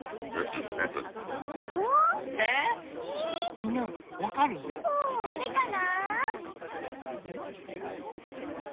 みんなわかる？だれかな？